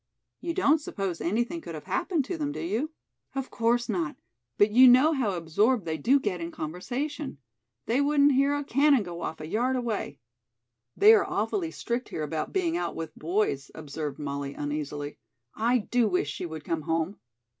"You don't suppose anything could have happened to them, do you?" "Of course not. But you know how absorbed they do get in conversation. They wouldn't hear a cannon go off a yard away." "They are awfully strict here about being out with boys," observed Molly uneasily. "I do wish she would come home."